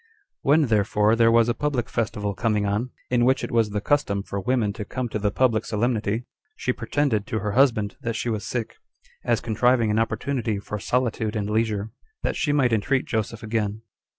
3. When, therefore, there was a public festival coming on, in which it was the custom for women to come to the public solemnity; she pretended to her husband that she was sick, as contriving an opportunity for solitude and leisure, that she might entreat Joseph again.